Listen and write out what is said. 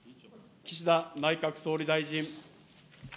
岸田内閣総理大臣。